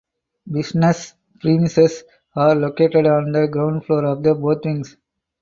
Business premises are located on the ground floor of both wings.